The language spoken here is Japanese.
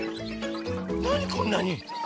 なにこんなに。